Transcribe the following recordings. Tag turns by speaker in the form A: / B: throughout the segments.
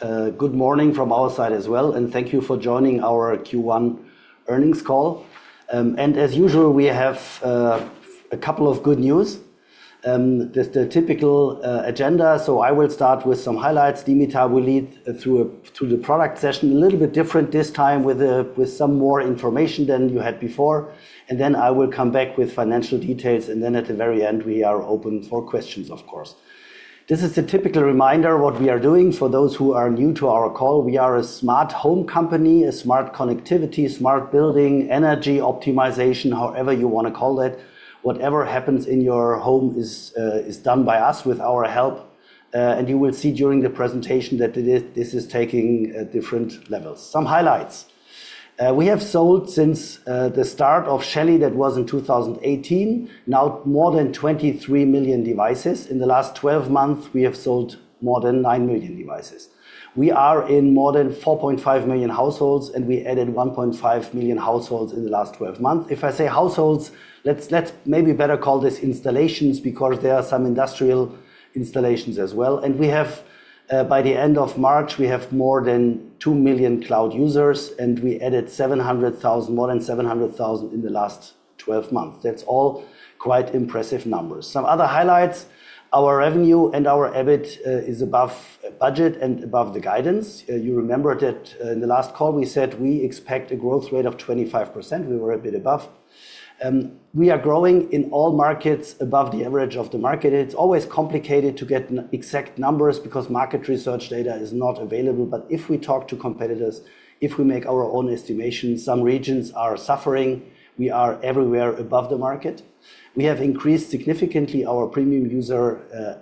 A: Good morning from our side as well, and thank you for joining our Q1 earnings call. As usual, we have a couple of good news. This is the typical agenda, so I will start with some highlights. Dimitar will lead through the product session, a little bit different this time with some more information than you had before. I will come back with financial details, and at the very end, we are open for questions, of course. This is the typical reminder of what we are doing. For those who are new to our call, we are a smart home company, a smart connectivity, smart building, energy optimization, however you want to call it. Whatever happens in your home is done by us with our help. You will see during the presentation that this is taking different levels. Some highlights. We have sold since the start of Shelly, that was in 2018, now more than 23 million devices. In the last 12 months, we have sold more than 9 million devices. We are in more than 4.5 million households, and we added 1.5 million households in the last 12 months. If I say households, let's maybe better call this installations because there are some industrial installations as well. By the end of March, we have more than 2 million cloud users, and we added more than 700,000 in the last 12 months. That's all quite impressive numbers. Some other highlights: our revenue and our EBIT is above budget and above the guidance. You remember that in the last call, we said we expect a growth rate of 25%. We were a bit above. We are growing in all markets above the average of the market. It's always complicated to get exact numbers because market research data is not available. If we talk to competitors, if we make our own estimations, some regions are suffering. We are everywhere above the market. We have increased significantly our premium user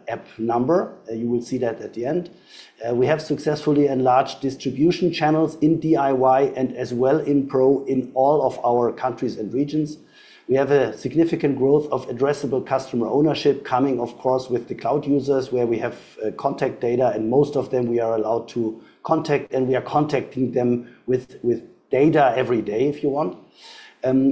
A: app number. You will see that at the end. We have successfully enlarged distribution channels in DIY and as well in pro in all of our countries and regions. We have a significant growth of addressable customer ownership coming, of course, with the cloud users where we have contact data, and most of them we are allowed to contact, and we are contacting them with data every day, if you want.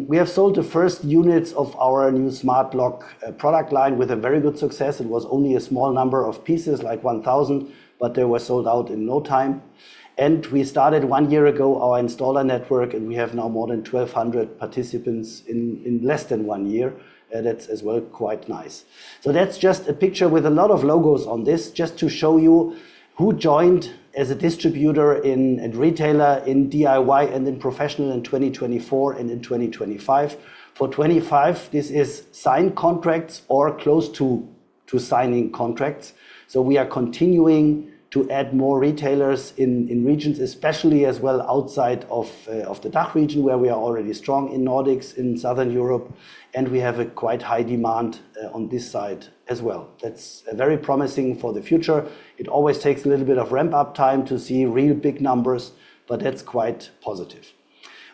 A: We have sold the first units of our new Smart Lock product line with very good success. It was only a small number of pieces, like 1,000, but they were sold out in no time. We started one year ago our Installer Network, and we have now more than 1,200 participants in less than one year. That is as well quite nice. That is just a picture with a lot of logos on this, just to show you who joined as a distributor and retailer in DIY and in professional in 2024 and in 2025. For 2025, this is signed contracts or close to signing contracts. We are continuing to add more retailers in regions, especially as well outside of the DACH region where we are already strong in Nordics, in Southern Europe, and we have quite high demand on this side as well. That is very promising for the future. It always takes a little bit of ramp-up time to see real big numbers, but that is quite positive.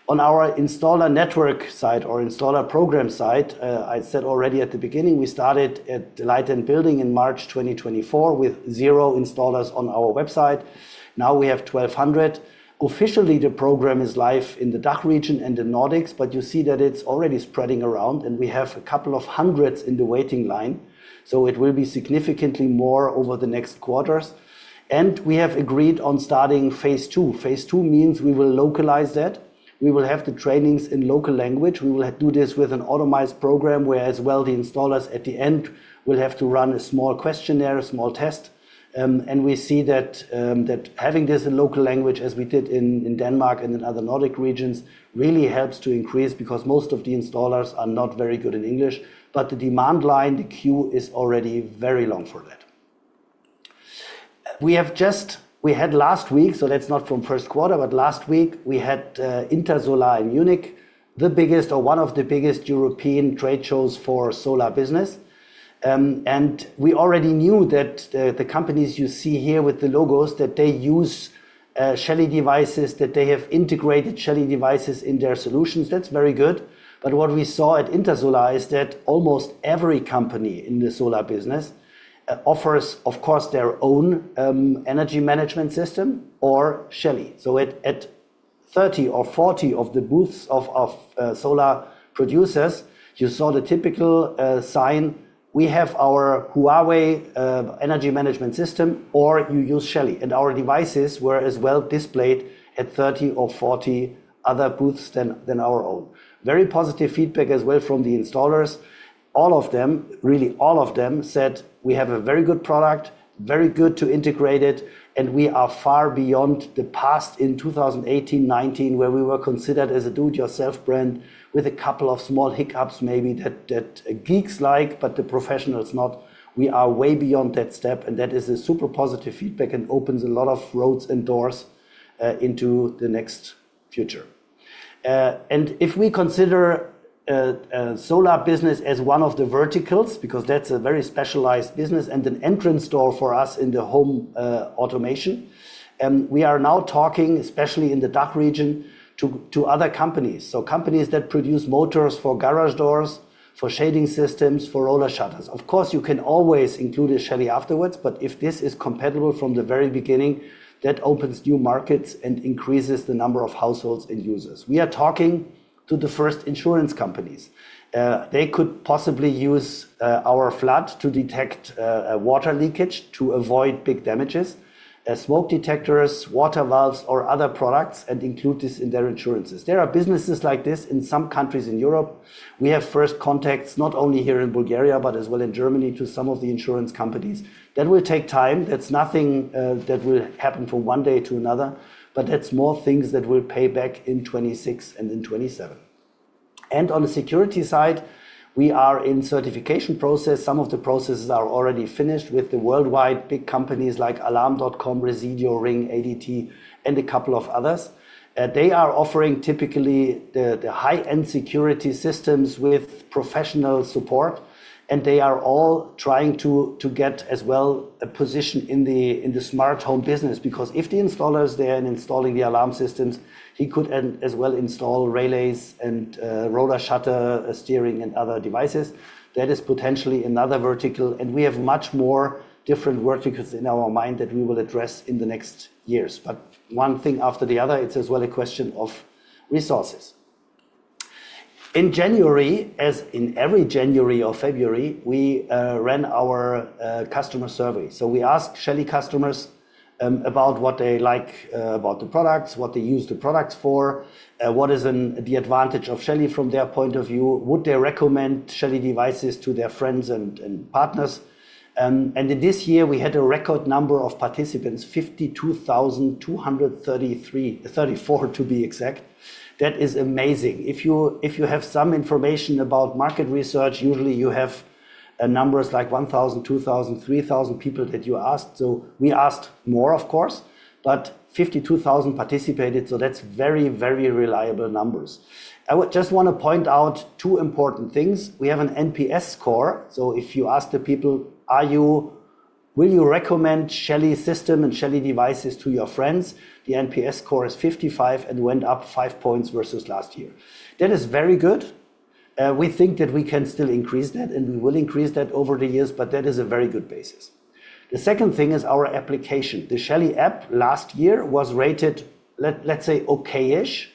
A: On our Installer Network side or Installer Program side, I said already at the beginning, we started at the Light + Building in March 2024 with zero installers on our website. Now we have 1,200. Officially, the program is live in the DACH region and the Nordics, but you see that it's already spreading around, and we have a couple of hundreds in the waiting line. It will be significantly more over the next quarters. We have agreed on starting phase two. Phase two means we will localize that. We will have the trainings in local language. We will do this with an automized program where as well the installers at the end will have to run a small questionnaire, a small test. We see that having this in local language, as we did in Denmark and in other Nordic regions, really helps to increase because most of the installers are not very good in English. The demand line, the queue is already very long for that. Last week, so that's not from first quarter, but last week we had Intersolar in Munich, the biggest or one of the biggest European trade shows for solar business. We already knew that the companies you see here with the logos, that they use Shelly devices, that they have integrated Shelly devices in their solutions. That's very good. What we saw at Intersolar is that almost every company in the solar business offers, of course, their own energy management system or Shelly. At 30 or 40 of the booths of our solar producers, you saw the typical sign, "We have our Huawei energy management system," or you use Shelly. Our devices were as well displayed at 30 or 40 other booths than our own. Very positive feedback as well from the installers. All of them, really all of them, said, "We have a very good product, very good to integrate it, and we are far beyond the past in 2018, 2019, where we were considered as a do-it-yourself brand with a couple of small hiccups maybe that geeks like, but the professionals not. We are way beyond that step." That is a super positive feedback and opens a lot of roads and doors into the next future. If we consider solar business as one of the verticals, because that's a very specialized business and an entrance door for us in the home automation, we are now talking, especially in the DACH region, to other companies. Companies that produce motors for garage doors, for shading systems, for roller shutters. Of course, you can always include a Shelly afterwards, but if this is compatible from the very beginning, that opens new markets and increases the number of households and users. We are talking to the first insurance companies. They could possibly use our flood to detect water leakage to avoid big damages, smoke detectors, water valves, or other products, and include this in their insurances. There are businesses like this in some countries in Europe. We have first contacts not only here in Bulgaria, but as well in Germany to some of the insurance companies. That will take time. That's nothing that will happen from one day to another, but that's more things that will pay back in 2026 and in 2027. On the security side, we are in certification process. Some of the processes are already finished with the worldwide big companies like Alarm.com, Resideo, Ring, ADT, and a couple of others. They are offering typically the high-end security systems with professional support, and they are all trying to get as well a position in the smart home business. Because if the installer, they're installing the alarm systems, he could as well install relays and roller shutter steering and other devices. That is potentially another vertical, and we have much more different verticals in our mind that we will address in the next years. One thing after the other, it's as well a question of resources. In January, as in every January or February, we ran our customer survey. We asked Shelly customers about what they like about the products, what they use the products for, what is the advantage of Shelly from their point of view, would they recommend Shelly devices to their friends and partners. In this year, we had a record number of participants, 52,234 to be exact. That is amazing. If you have some information about market research, usually you have numbers like 1,000, 2,000, 3,000 people that you asked. We asked more, of course, but 52,000 participated, so that is very, very reliable numbers. I just want to point out two important things. We have an NPS score. If you ask the people, "Will you recommend Shelly system and Shelly devices to your friends?" the NPS score is 55 and went up five points versus last year. That is very good. We think that we can still increase that, and we will increase that over the years, but that is a very good basis. The second thing is our application. The Shelly app last year was rated, let's say, okay-ish,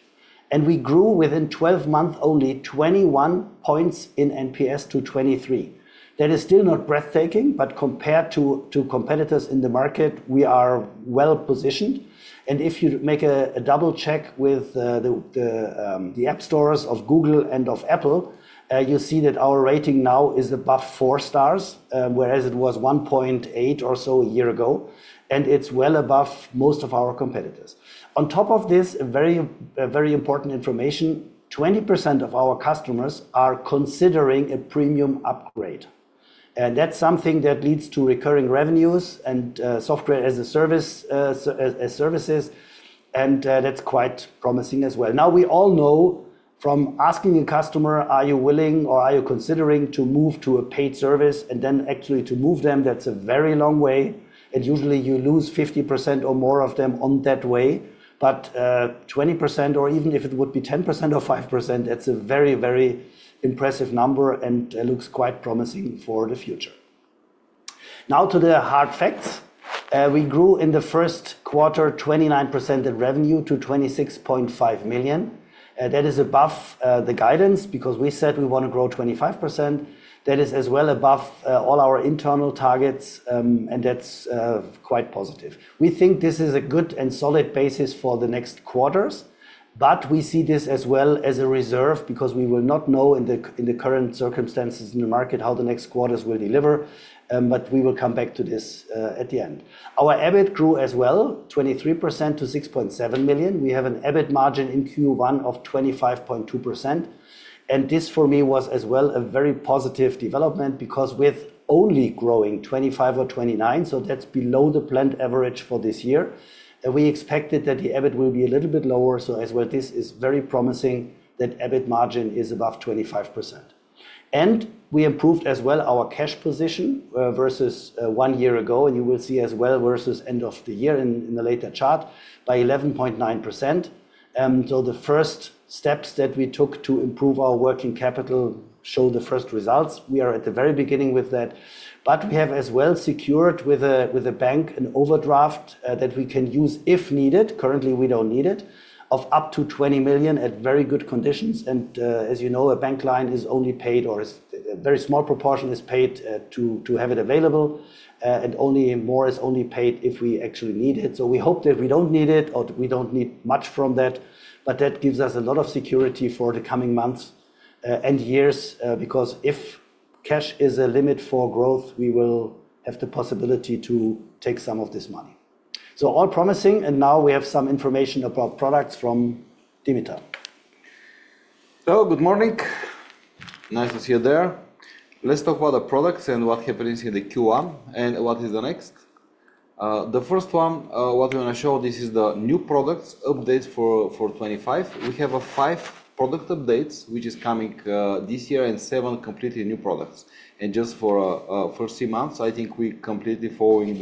A: and we grew within 12 months only 21 points in NPS to 23. That is still not breathtaking, but compared to competitors in the market, we are well positioned. If you make a double check with the app stores of Google and of Apple, you see that our rating now is above four stars, whereas it was 1.8 or so a year ago, and it is well above most of our competitors. On top of this, very important information, 20% of our customers are considering a premium upgrade. That is something that leads to recurring revenues and software as services, and that is quite promising as well. Now, we all know from asking a customer, "Are you willing or are you considering to move to a paid service?" and then actually to move them, that's a very long way. Usually, you lose 50% or more of them on that way. 20%, or even if it would be 10% or 5%, that's a very, very impressive number, and it looks quite promising for the future. Now to the hard facts. We grew in the first quarter 29% in revenue to 26.5 million. That is above the guidance because we said we want to grow 25%. That is as well above all our internal targets, and that's quite positive. We think this is a good and solid basis for the next quarters, but we see this as well as a reserve because we will not know in the current circumstances in the market how the next quarters will deliver, but we will come back to this at the end. Our EBIT grew as well, 23% to 6.7 million. We have an EBIT margin in Q1 of 25.2%. This for me was as well a very positive development because with only growing 25% or 29%, so that's below the planned average for this year. We expected that the EBIT will be a little bit lower, so as well this is very promising that EBIT margin is above 25%. We improved as well our cash position versus one year ago, and you will see as well versus end of the year in the later chart by 11.9%. The first steps that we took to improve our working capital show the first results. We are at the very beginning with that, but we have as well secured with a bank an overdraft that we can use if needed. Currently, we do not need it of up to 20 million at very good conditions. As you know, a bank line is only paid or a very small proportion is paid to have it available, and more is only paid if we actually need it. We hope that we do not need it or we do not need much from that, but that gives us a lot of security for the coming months and years because if cash is a limit for growth, we will have the possibility to take some of this money. All promising, and now we have some information about products from Dimitar.
B: Hello, good morning. Nice to see you there. Let's talk about the products and what happens in the Q1 and what is the next. The first one, what we want to show, this is the new products updates for 2025. We have five product updates which are coming this year and seven completely new products. And just for the first three months, I think we're completely following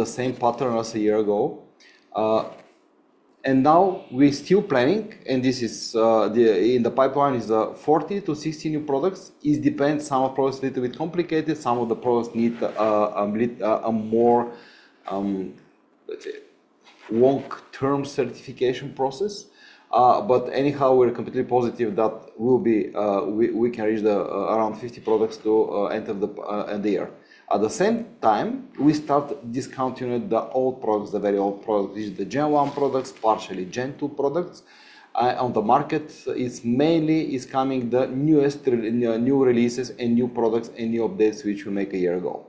B: the same pattern as a year ago. Now we're still planning, and this is in the pipeline, is 40-60 new products. It depends. Some of the products are a little bit complicated. Some of the products need a more long-term certification process. Anyhow, we're completely positive that we can reach around 50 products to end of the year. At the same time, we start discounting the old products, the very old products, which are the Gen1 products, partially Gen2 products. On the market, it's mainly coming the newest new releases and new products and new updates which we made a year ago.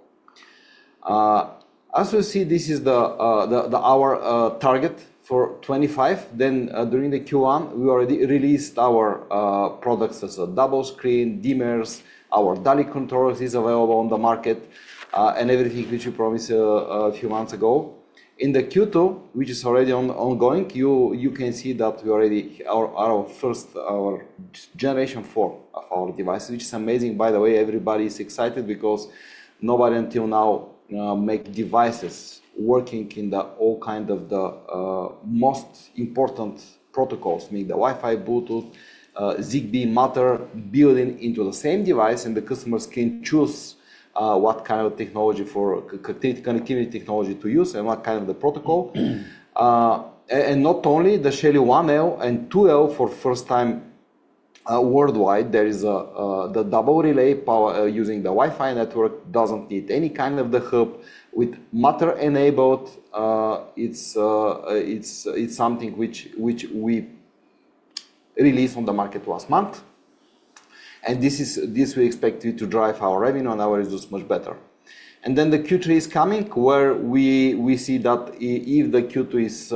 B: As you see, this is our target for 2025. During the Q1, we already released our products as a double screen, dimmers, our DALI controllers are available on the market, and everything which we promised a few months ago. In the Q2, which is already ongoing, you can see that we already have our first, our generation four of our devices, which is amazing. By the way, everybody is excited because nobody until now made devices working in all kinds of the most important protocols, meaning the Wi-Fi, Bluetooth, ZigBee, Matter built into the same device, and the customers can choose what kind of technology for connectivity technology to use and what kind of the protocol. Not only the Shelly 1L and 2L, for the first time worldwide, there is the double relay power using the Wi-Fi network, does not need any kind of hub with Matter enabled. It is something which we released on the market last month. This we expect to drive our revenue and our results much better. The Q3 is coming where we see that if the Q2 is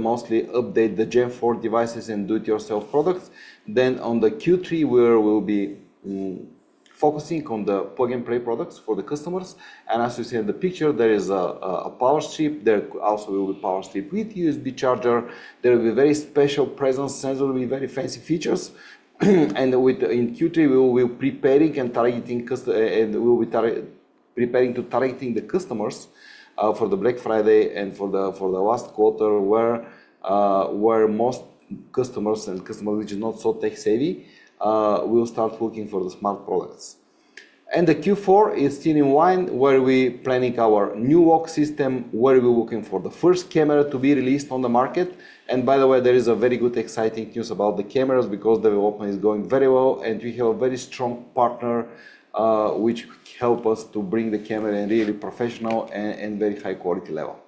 B: mostly to update the Gen4 devices and do-it-yourself products, then in the Q3, we will be focusing on the plug-and-play products for the customers. As you see in the picture, there is a power strip. There also will be a power strip with USB charger. There will be a very special presence sensor with very fancy features. In Q3, we will be preparing and targeting, and we will be preparing to targeting the customers for Black Friday and for the last quarter where most customers and customers which are not so tech-savvy will start looking for the smart products. Q4 is still in line where we're planning our new lock system where we're looking for the first camera to be released on the market. By the way, there is very good exciting news about the cameras because development is going very well, and we have a very strong partner which helps us to bring the camera at a really professional and very high-quality level.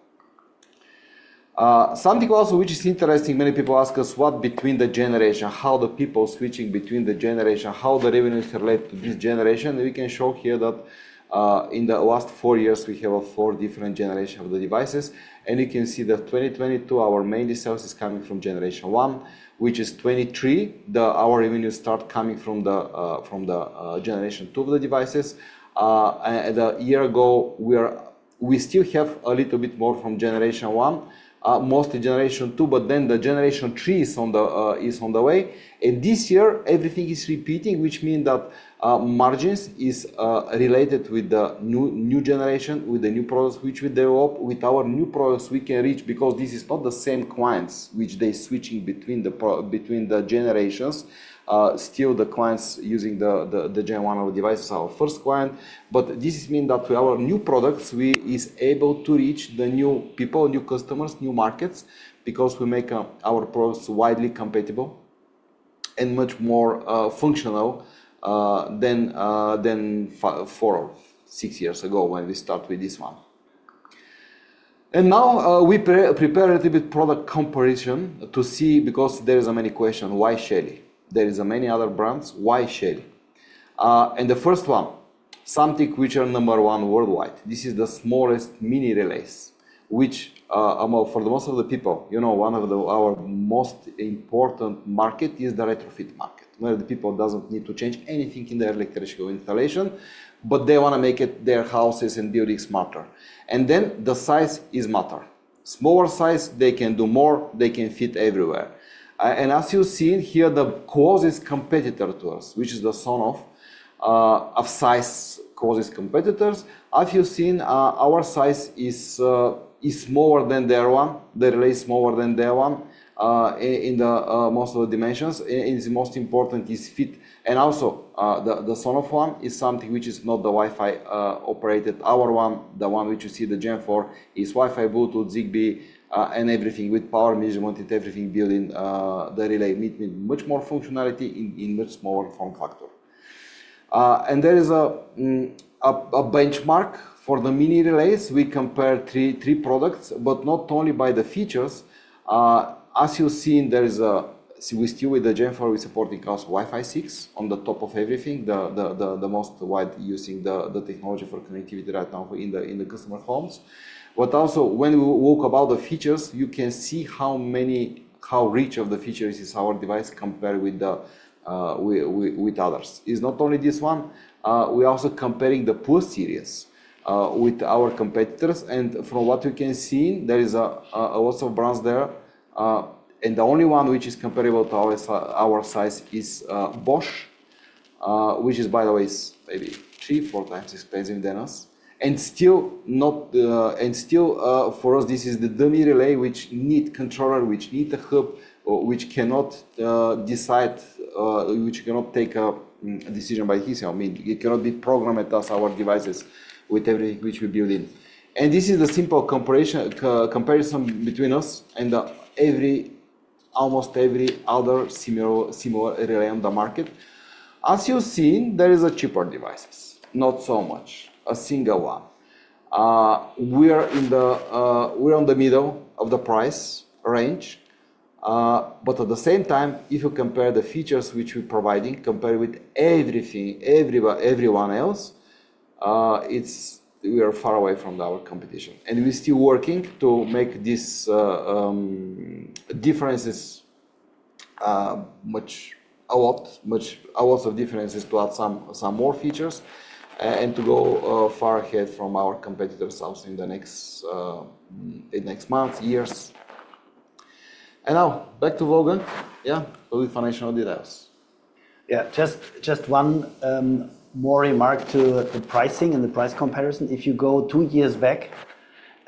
B: Something also which is interesting, many people ask us what between the generation, how the people switching between the generation, how the revenues relate to this generation. We can show here that in the last four years, we have four different generations of the devices. You can see that in 2022, our main results are coming from Gen1, which is 23. Our revenues start coming from Gen2 of the devices. A year ago, we still have a little bit more from Gen1, mostly Gen2, but then Gen3 is on the way. This year, everything is repeating, which means that margins are related with the new generation, with the new products which we develop. With our new products, we can reach because this is not the same clients which are switching between the generations. Still, the clients using the Gen1 of the devices are our first client. This means that with our new products, we are able to reach new people, new customers, new markets because we make our products widely compatible and much more functional than four or six years ago when we started with this one. Now we prepared a little bit of product comparison to see because there are many questions, why Shelly? There are many other brands, why Shelly? The first one, something which is number one worldwide. This is the smallest mini relays, which for most people, one of our most important markets is the retrofit market, where people do not need to change anything in their electrical installation, but they want to make their houses and buildings smarter. The size matters. Smaller size, they can do more, they can fit everywhere. As you've seen here, the closest competitor to us, which is the SONOFF size closest competitors. As you've seen, our size is smaller than their one. The relay is smaller than their one in most of the dimensions. The most important is fit. Also, the SONOFF one is something which is not Wi-Fi-operated. Our one, the one which you see, the Gen4, is Wi-Fi, Bluetooth, ZigBee, and everything with power management and everything built in the relay with much more functionality in much smaller form factor. There is a benchmark for the mini relays. We compare three products, but not only by the features. As you've seen, with the Gen4, we're supporting also Wi-Fi 6 on the top of everything, the most widely using technology for connectivity right now in the customer homes. When we walk about the features, you can see how rich of the features is our device compared with others. It's not only this one. We're also comparing the [PM] series with our competitors, and from what you can see, there are lots of brands there. The only one which is comparable to our size is Bosch, which is, by the way, maybe three, four times expensive than us. Still, for us, this is the dummy relay which needs a controller, which needs a hub, which cannot decide, which cannot take a decision by itself. I mean, it cannot be programmed at us, our devices, with everything which we build in. This is the simple comparison between us and almost every other similar relay on the market. As you've seen, there are cheaper devices, not so much, a single one. We're in the middle of the price range. At the same time, if you compare the features which we're providing, compared with everything, everyone else, we are far away from our competition. We're still working to make these differences a lot, lots of differences to add some more features and to go far ahead from our competitors also in the next months, years. Now back to Wolfgang.
A: Yeah.
B: With financial details.
A: Yeah, just one more remark to the pricing and the price comparison. If you go two years back,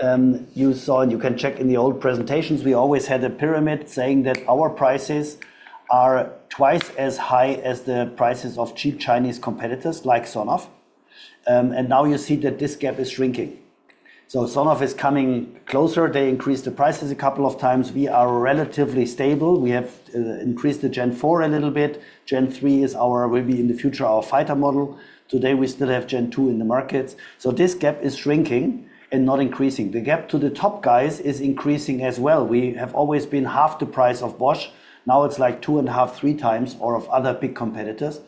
A: you saw, and you can check in the old presentations, we always had a pyramid saying that our prices are twice as high as the prices of cheap Chinese competitors like SONOFF. Now you see that this gap is shrinking. SONOFF is coming closer. They increased the prices a couple of times. We are relatively stable. We have increased the Gen4 a little bit. Gen3 will be in the future our fighter model. Today, we still have Gen2 in the markets. This gap is shrinking and not increasing. The gap to the top guys is increasing as well. We have always been half the price of Bosch. Now it is like two and a half, three times of other big competitors.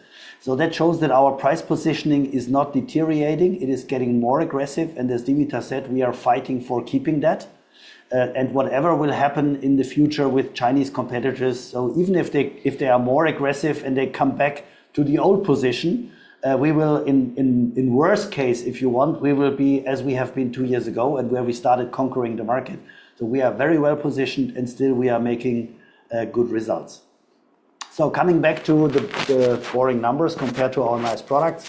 A: That shows that our price positioning is not deteriorating. It is getting more aggressive. As Dimitar said, we are fighting for keeping that. Whatever will happen in the future with Chinese competitors, even if they are more aggressive and they come back to the old position, we will, in worst case, if you want, we will be as we have been two years ago and where we started conquering the market. We are very well positioned and still we are making good results. Coming back to the boring numbers compared to our nice products,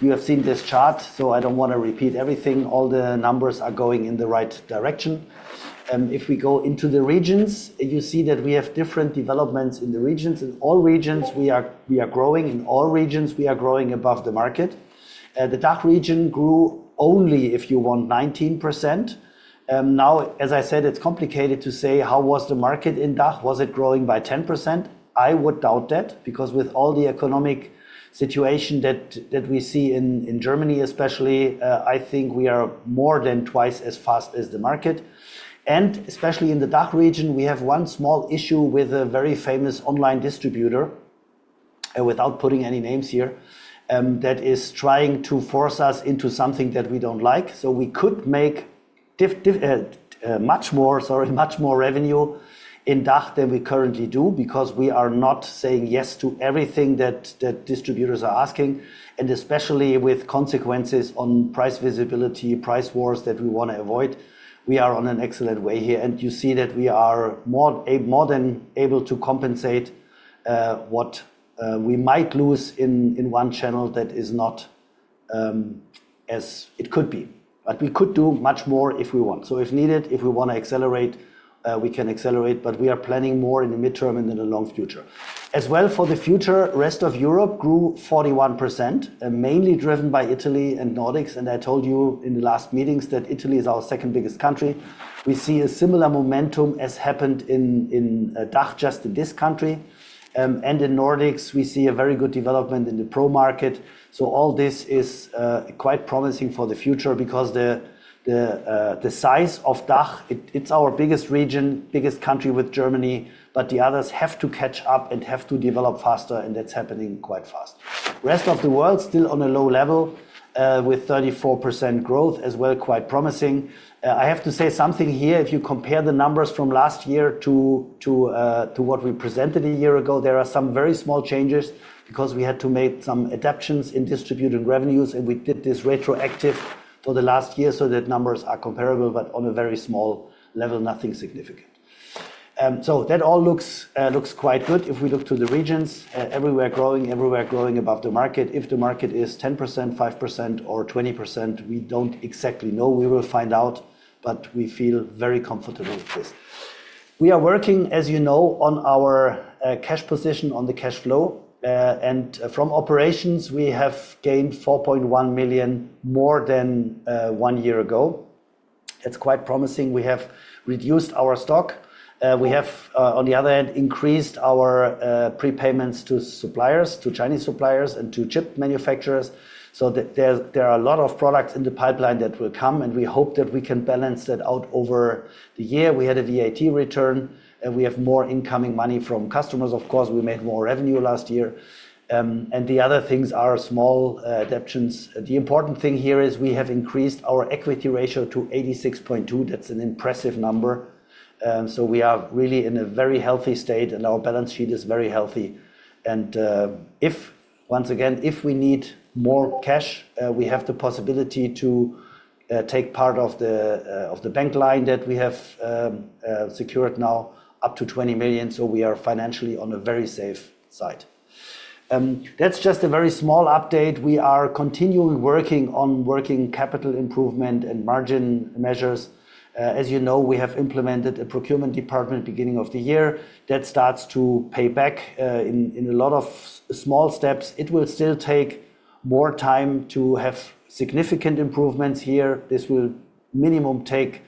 A: you have seen this chart, so I do not want to repeat everything. All the numbers are going in the right direction. If we go into the regions, you see that we have different developments in the regions. In all regions, we are growing. In all regions, we are growing above the market. The DACH region grew only, if you want, 19%. Now, as I said, it is complicated to say how was the market in DACH? Was it growing by 10%? I would doubt that because with all the economic situation that we see in Germany, especially, I think we are more than twice as fast as the market. Especially in the DACH region, we have one small issue with a very famous online distributor, without putting any names here, that is trying to force us into something that we do not like. We could make much more revenue in DACH than we currently do because we are not saying yes to everything that distributors are asking. Especially with consequences on price visibility, price wars that we want to avoid, we are on an excellent way here. You see that we are more than able to compensate what we might lose in one channel that is not as it could be. We could do much more if we want. If needed, if we want to accelerate, we can accelerate. We are planning more in the midterm and in the long future. As well for the future, rest of Europe grew 41%, mainly driven by Italy and Nordics. I told you in the last meetings that Italy is our second biggest country. We see a similar momentum as happened in DACH just in this country. In Nordics, we see a very good development in the pro market. All this is quite promising for the future because the size of DACH, it's our biggest region, biggest country with Germany, but the others have to catch up and have to develop faster, and that's happening quite fast. Rest of the world still on a low level with 34% growth as well, quite promising. I have to say something here. If you compare the numbers from last year to what we presented a year ago, there are some very small changes because we had to make some adaptations in distributed revenues, and we did this retroactive for the last year so that numbers are comparable, but on a very small level, nothing significant. That all looks quite good. If we look to the regions, everywhere growing, everywhere growing above the market. If the market is 10%, 5%, or 20%, we do not exactly know. We will find out, but we feel very comfortable with this. We are working, as you know, on our cash position, on the cash flow. From operations, we have gained 4.1 million more than one year ago. It is quite promising. We have reduced our stock. We have, on the other hand, increased our prepayments to suppliers, to Chinese suppliers, and to chip manufacturers. There are a lot of products in the pipeline that will come, and we hope that we can balance that out over the year. We had a VAT return, and we have more incoming money from customers. Of course, we made more revenue last year. The other things are small adaptations. The important thing here is we have increased our equity ratio to 86.2%. That is an impressive number. We are really in a very healthy state, and our balance sheet is very healthy. Once again, if we need more cash, we have the possibility to take part of the bank line that we have secured now, up to 20 million. We are financially on a very safe side. That is just a very small update. We are continuing working on working capital improvement and margin measures. As you know, we have implemented a procurement department at the beginning of the year that starts to pay back in a lot of small steps. It will still take more time to have significant improvements here. This will minimum take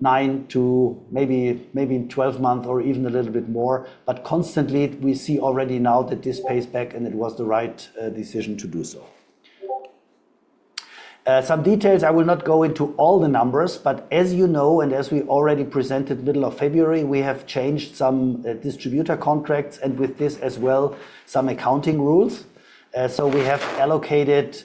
A: nine to maybe 12 months or even a little bit more. Constantly, we see already now that this pays back, and it was the right decision to do so. Some details, I will not go into all the numbers, but as you know, and as we already presented in the middle of February, we have changed some distributor contracts and with this as well, some accounting rules. We have allocated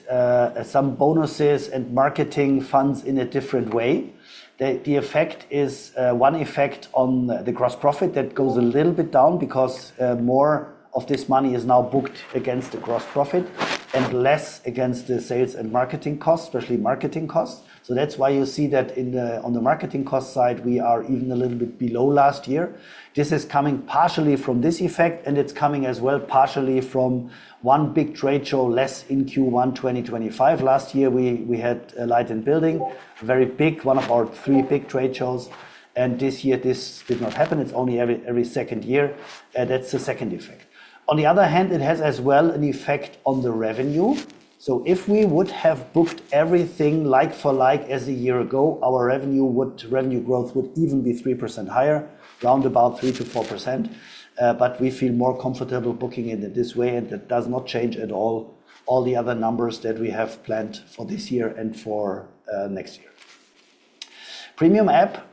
A: some bonuses and marketing funds in a different way. The effect is one effect on the gross profit that goes a little bit down because more of this money is now booked against the gross profit and less against the sales and marketing costs, especially marketing costs. That is why you see that on the marketing cost side, we are even a little bit below last year. This is coming partially from this effect, and it is coming as well partially from one big trade show, less in Q1 2025. Last year, we had a Light + Building, very big, one of our three big trade shows. This year, this did not happen. It is only every second year. That is the second effect. On the other hand, it has as well an effect on the revenue. If we would have booked everything like-for-like as a year ago, our revenue growth would even be 3% higher, round about 3%-4%. We feel more comfortable booking it this way, and that does not change at all all the other numbers that we have planned for this year and for next year. Premium app,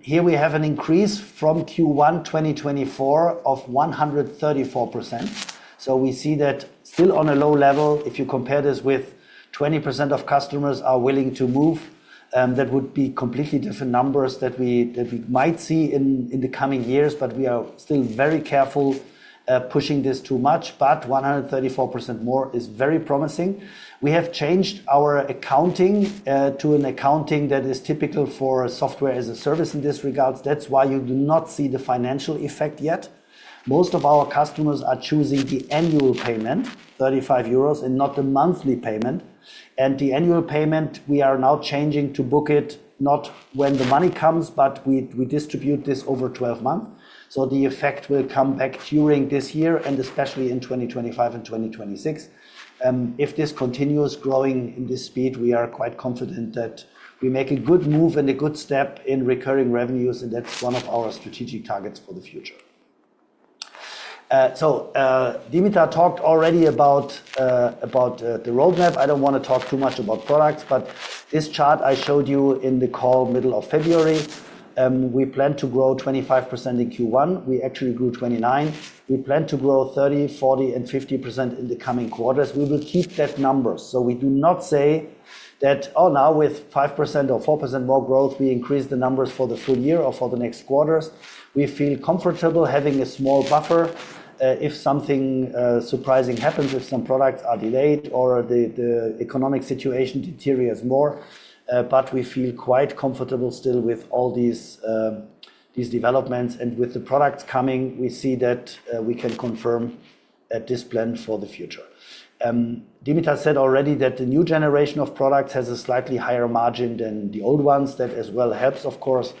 A: here we have an increase from Q1 2024 of 134%. We see that still on a low level. If you compare this with 20% of customers are willing to move, that would be completely different numbers that we might see in the coming years. We are still very careful pushing this too much. 134% more is very promising. We have changed our accounting to an accounting that is typical for software as a service in this regard. That is why you do not see the financial effect yet. Most of our customers are choosing the annual payment, 35 euros, and not the monthly payment. The annual payment, we are now changing to book it not when the money comes, but we distribute this over 12 months. The effect will come back during this year and especially in 2025 and 2026. If this continues growing in this speed, we are quite confident that we make a good move and a good step in recurring revenues, and that's one of our strategic targets for the future. Dimitar talked already about the roadmap. I don't want to talk too much about products, but this chart I showed you in the call middle of February. We plan to grow 25% in Q1. We actually grew 29%. We plan to grow 30%, 40%, and 50% in the coming quarters. We will keep that number. We do not say that, oh, now with 5% or 4% more growth, we increase the numbers for the full year or for the next quarters. We feel comfortable having a small buffer if something surprising happens, if some products are delayed or the economic situation deteriorates more. We feel quite comfortable still with all these developments. With the products coming, we see that we can confirm this plan for the future. Dimitar said already that the new generation of products has a slightly higher margin than the old ones. That as well helps, of course.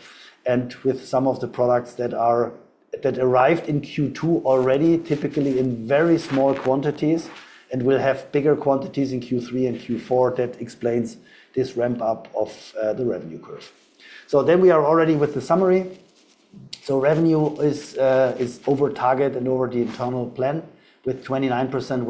A: With some of the products that arrived in Q2 already, typically in very small quantities, we will have bigger quantities in Q3 and Q4. That explains this ramp-up of the revenue curve. We are already with the summary. Revenue is over target and over the internal plan with 29%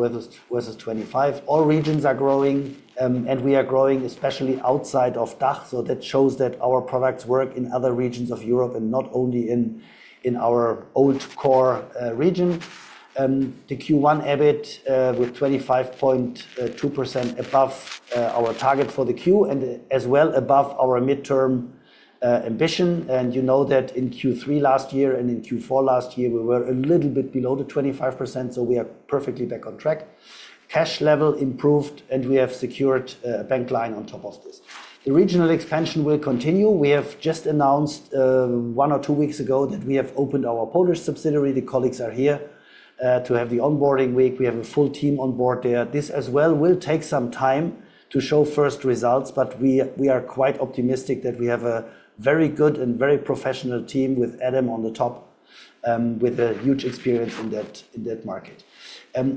A: versus 25%. All regions are growing, and we are growing especially outside of DACH. That shows that our products work in other regions of Europe and not only in our old core region. The Q1 EBIT with 25.2% is above our target for the Q and as well above our midterm ambition. You know that in Q3 last year and in Q4 last year, we were a little bit below the 25%. We are perfectly back on track. Cash level improved, and we have secured a bank line on top of this. The regional expansion will continue. We have just announced one or two weeks ago that we have opened our Polish subsidiary. The colleagues are here to have the onboarding week. We have a full team on board there. This as well will take some time to show first results, but we are quite optimistic that we have a very good and very professional team with Adam on the top, with a huge experience in that market.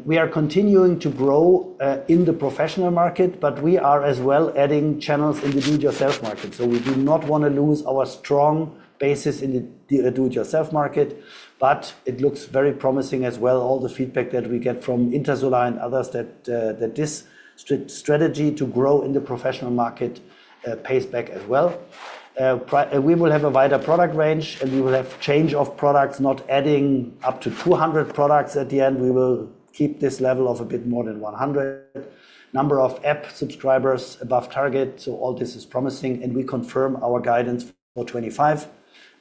A: We are continuing to grow in the professional market, but we are as well adding channels in the do-it-yourself market. We do not want to lose our strong basis in the do-it-yourself market, but it looks very promising as well. All the feedback that we get from Intersolar and others is that this strategy to grow in the professional market pays back as well. We will have a wider product range, and we will have change of products, not adding up to 200 products at the end. We will keep this level of a bit more than 100 number of app subscribers above target. All this is promising, and we confirm our guidance for 2025,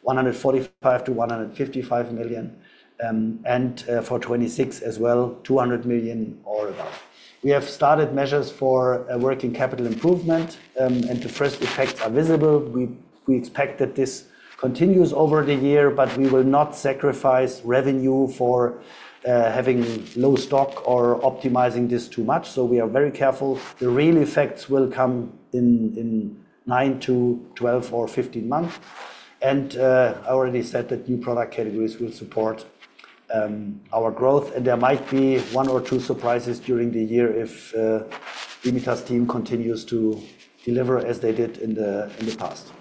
A: 145 million-155 million, and for 2026 as well, 200 million or above. We have started measures for working capital improvement, and the first effects are visible. We expect that this continues over the year, but we will not sacrifice revenue for having low stock or optimizing this too much. We are very careful. The real effects will come in nine to 12 or 15 months. I already said that new product categories will support our growth, and there might be one or two surprises during the year if Dimitar's team continues to deliver as they did in the past.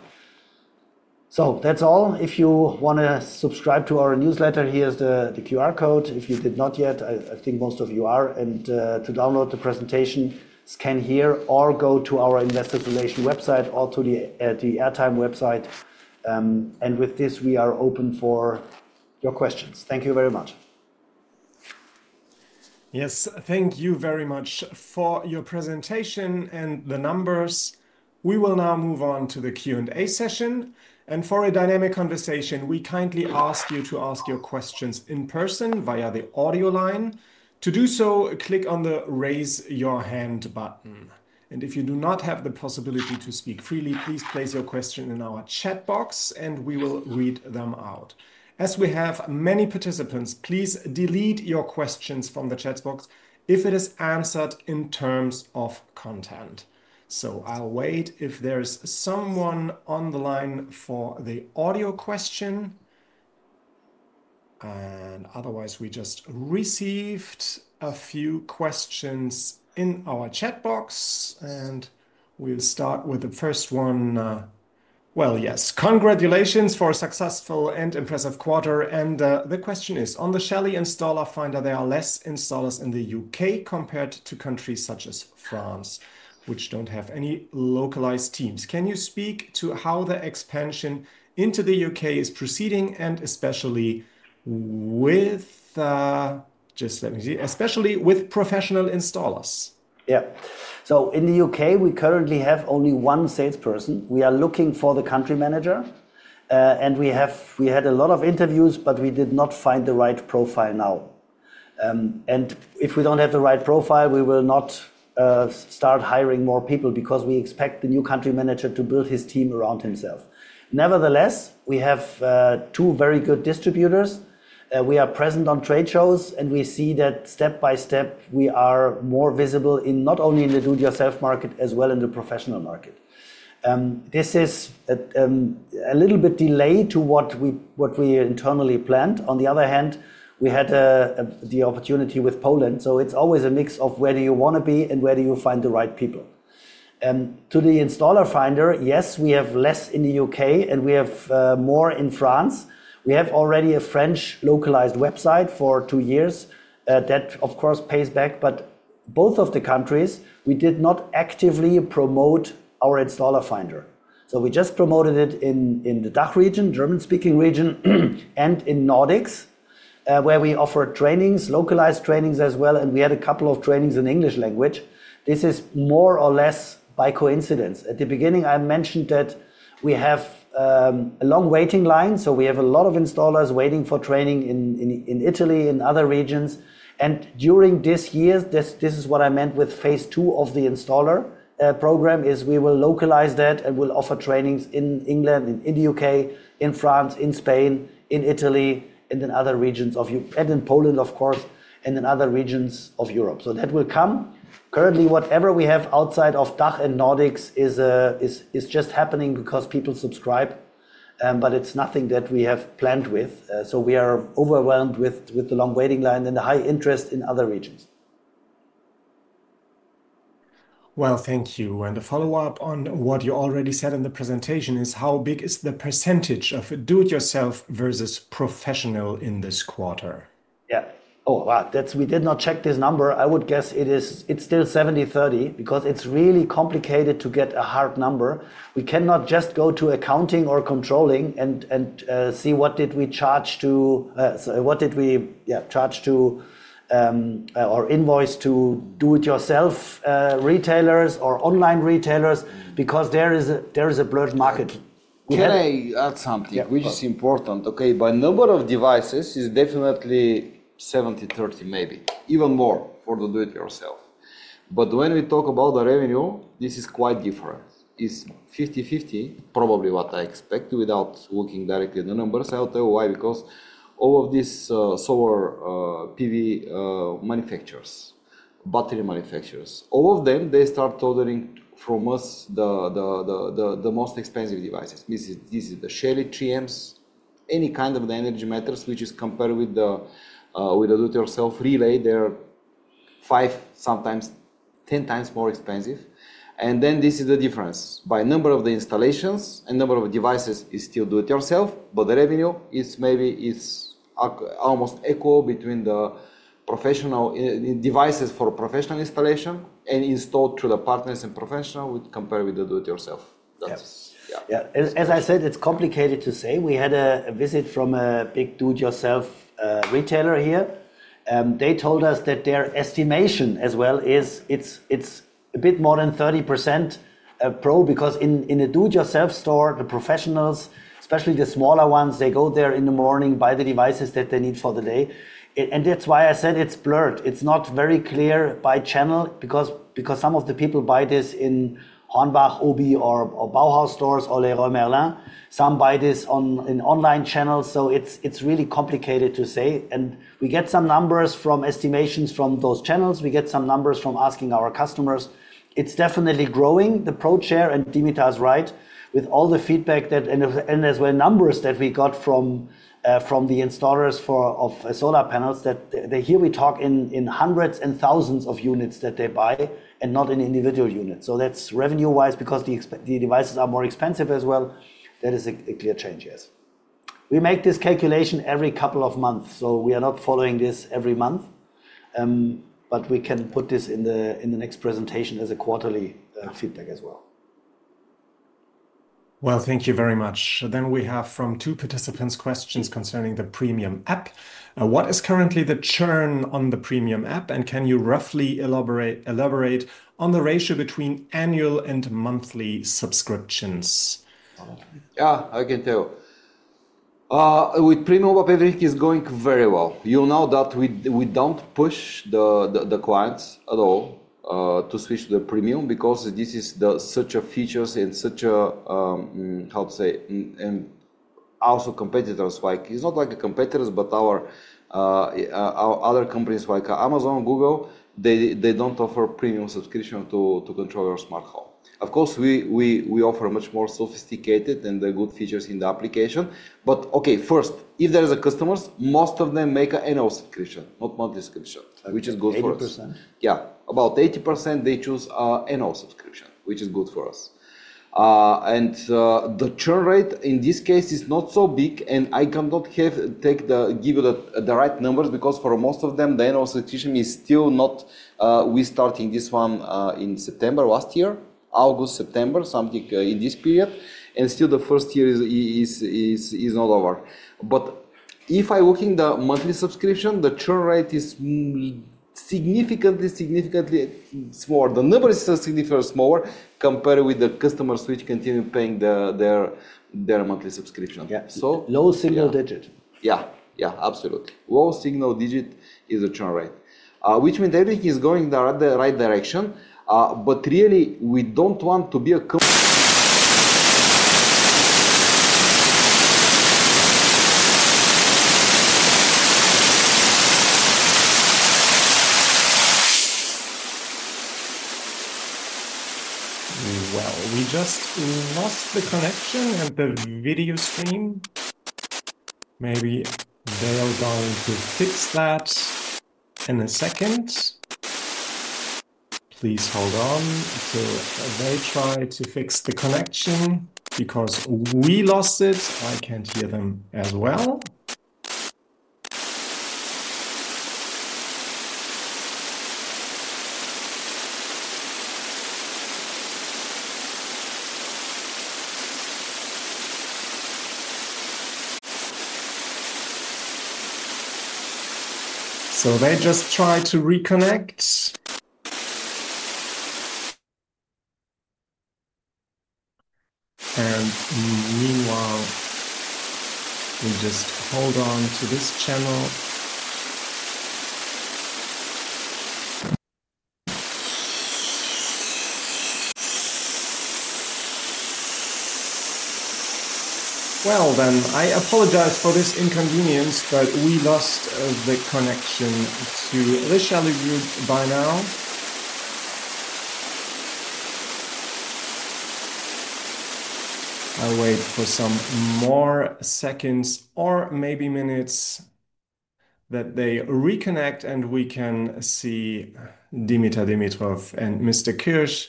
A: That is all. If you want to subscribe to our newsletter, here is the QR code. If you did not yet, I think most of you are. To download the presentation, scan here or go to our Investor Relation website or to the Airtime website. With this, we are open for your questions. Thank you very much.
C: Yes, thank you very much for your presentation and the numbers. We will now move on to the Q&A session. For a dynamic conversation, we kindly ask you to ask your questions in person via the audio line. To do so, click on the raise-your-hand button. If you do not have the possibility to speak freely, please place your question in our chat box, and we will read them out. As we have many participants, please delete your questions from the chat box if it is answered in terms of content. I will wait if there is someone on the line for the audio question. Otherwise, we just received a few questions in our chat box. We'll start with the first one. Yes, congratulations for a successful and impressive quarter. The question is, on the Shelly Installer Finder, there are fewer installers in the U.K. compared to countries such as France, which do not have any localized teams. Can you speak to how the expansion into the U.K. is proceeding, especially with professional installers?
A: Yeah. In the U.K., we currently have only one salesperson. We are looking for the country manager. We had a lot of interviews, but we did not find the right profile now. If we do not have the right profile, we will not start hiring more people because we expect the new country manager to build his team around himself. Nevertheless, we have two very good distributors. We are present on trade shows, and we see that step by step, we are more visible not only in the do-it-yourself market as well as in the professional market. This is a little bit delayed to what we internally planned. On the other hand, we had the opportunity with Poland. It is always a mix of where do you want to be and where do you find the right people. To the Installer Finder, yes, we have less in the U.K. and we have more in France. We have already a French localized website for two years that, of course, pays back. Both of the countries, we did not actively promote our Installer Finder. We just promoted it in the DACH region, German-speaking region, and in Nordics, where we offer trainings, localized trainings as well. We had a couple of trainings in English language. This is more or less by coincidence. At the beginning, I mentioned that we have a long waiting line. We have a lot of installers waiting for training in Italy, in other regions. During this year, this is what I meant with phase two of the installer program, we will localize that and will offer trainings in England, in the U.K., in France, in Spain, in Italy, and in other regions of Europe, and in Poland, of course, and in other regions of Europe. That will come. Currently, whatever we have outside of DACH and Nordics is just happening because people subscribe. It is nothing that we have planned with. We are overwhelmed with the long waiting line and the high interest in other regions.
C: Thank you. The follow-up on what you already said in the presentation is how big is the percentage of do-it-yourself versus professional in this quarter?
A: Yeah. Oh, wow. We did not check this number. I would guess it is still 70/30 because it is really complicated to get a hard number. We cannot just go to accounting or controlling and see what did we charge to, what did we charge to or invoice to do-it-yourself retailers or online retailers because there is a blurred market.
B: Can I add something? Which is important. Okay. By number of devices, it is definitely 70/30, maybe even more for the do-it-yourself. But when we talk about the revenue, this is quite different. It is 50/50, probably what I expect without looking directly at the numbers. I will tell you why. Because all of these solar PV manufacturers, battery manufacturers, all of them, they start ordering from us the most expensive devices. This is the Shelly 3Ms, any kind of the energy meters, which is compared with the do-it-yourself relay. They're five, sometimes ten times more expensive. This is the difference. By number of the installations and number of devices, it's still do-it-yourself, but the revenue is maybe almost equal between the professional devices for professional installation and installed through the partners and professional compared with the do-it-yourself. That's it. Yeah.
A: As I said, it's complicated to say. We had a visit from a big do-it-yourself retailer here. They told us that their estimation as well is it's a bit more than 30% pro because in a do-it-yourself store, the professionals, especially the smaller ones, they go there in the morning, buy the devices that they need for the day. That is why I said it's blurred. It's not very clear by channel because some of the people buy this in Hornbach, OBI, or Bauhaus stores, or Leroy Merlin. Some buy this on an online channel. It is really complicated to say. We get some numbers from estimations from those channels. We get some numbers from asking our customers. It's definitely growing, the pro share, and Dimitar is right with all the feedback and as well numbers that we got from the installers of solar panels that here we talk in hundreds and thousands of units that they buy and not in individual units. That is revenue-wise because the devices are more expensive as well. That is a clear change, yes. We make this calculation every couple of months. We are not following this every month, but we can put this in the next presentation as a quarterly feedback as well.
C: Thank you very much. We have from two participants questions concerning the premium app. What is currently the churn on the premium app? Can you roughly elaborate on the ratio between annual and monthly subscriptions?
B: Yeah, I can tell. With premium, whatever it is, it is going very well. You know that we do not push the clients at all to switch to the premium because this is such a feature and such a, how to say, and also competitors. It's not like competitors, but our other companies like Amazon, Google, they don't offer premium subscription to control your smart home. Of course, we offer much more sophisticated and good features in the application. Okay, first, if there are customers, most of them make an annual subscription, not monthly subscription, which is good for us. 80%. Yeah, about 80%, they choose an annual subscription, which is good for us. The churn rate in this case is not so big, and I cannot take the right numbers because for most of them, the annual subscription is still not, we started this one in September last year, August, September, something in this period. Still the first year is not over. If I'm looking at the monthly subscription, the churn rate is significantly, significantly smaller. The numbers are significantly smaller compared with the customers which continue paying their monthly subscription.
A: Yeah, so low single digit.
B: Yeah, yeah, absolutely. Low single digit is a churn rate, which means everything is going in the right direction. We do not want to be a.
C: We just lost the connection and the video stream. Maybe they will go to fix that in a second. Please hold on. They try to fix the connection because we lost it. I cannot hear them as well. They just try to reconnect. Meanwhile, we just hold on to this channel. I apologize for this inconvenience, but we lost the connection to the Shelly Group by now. I will wait for some more seconds or maybe minutes that they reconnect and we can see Dimitar Dimitrov and Mr. Kirsch.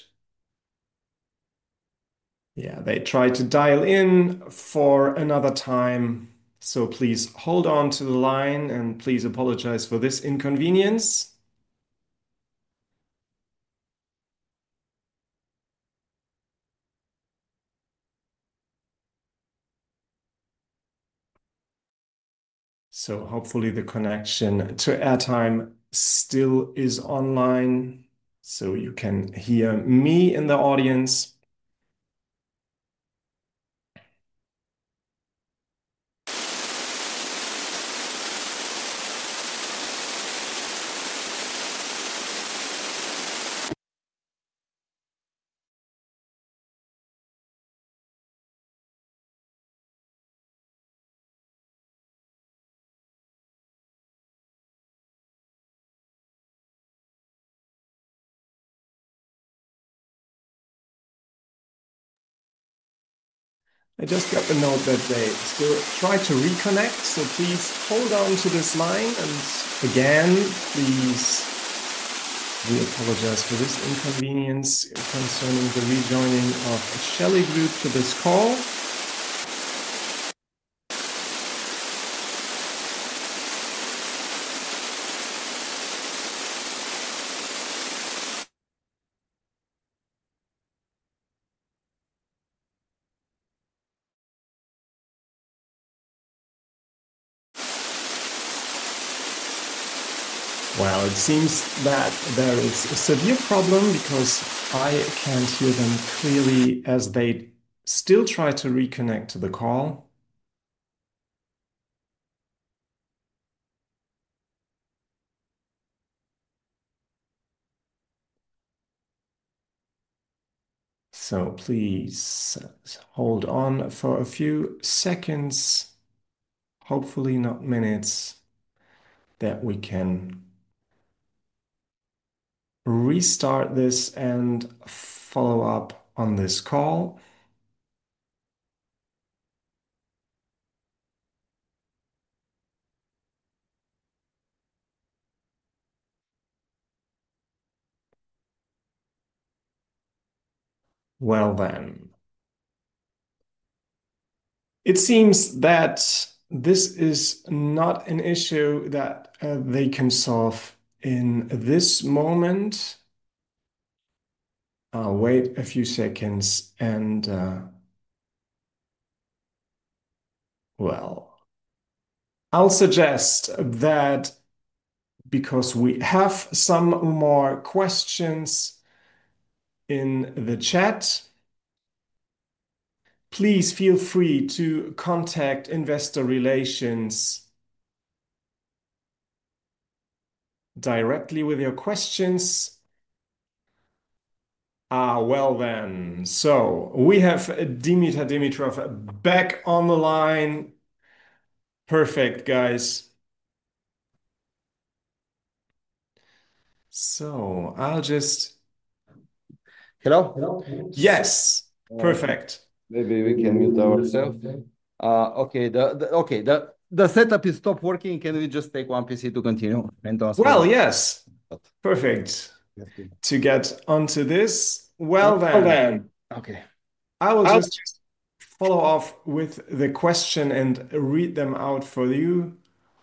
C: They tried to dial in for another time. Please hold on to the line and please apologize for this inconvenience. Hopefully the connection to airtime still is online so you can hear me in the audience. I just got the note that they still try to reconnect. Please hold on to this line. Again, we apologize for this inconvenience concerning the rejoining of Shelly Group to this call. It seems that there is a severe problem because I cannot hear them clearly as they still try to reconnect to the call. Please hold on for a few seconds, hopefully not minutes, that we can restart this and follow up on this call. It seems that this is not an issue that they can solve in this moment. I'll wait a few seconds and, well, I'll suggest that because we have some more questions in the chat, please feel free to contact investor relations directly with your questions. Well then, so we have Dimitar Dimitrov back on the line. Perfect, guys. I'll just.
B: Hello?
C: Yes, perfect.
B: Maybe we can mute ourselves. Okay, the setup has stopped working. Can we just take one PC to continue?
C: Yes. Perfect. To get onto this. I will just follow off with the question and read them out for you.